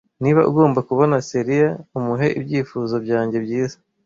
Niba ugomba kubona Celia, umuhe ibyifuzo byanjye byiza.